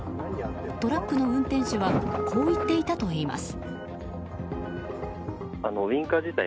トラックの運転手はこう言っていたといいます。